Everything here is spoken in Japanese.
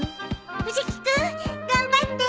・藤木君頑張って。